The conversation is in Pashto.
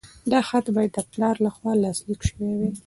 دا خط باید د پلار لخوا لاسلیک شوی وای.